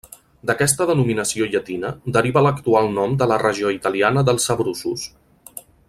D'aquesta denominació llatina deriva l'actual nom de la regió italiana dels Abruços.